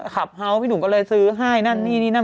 ขับเฮาส์พี่หนุ่มก็เลยซื้อให้นั่นนี่นี่นั่น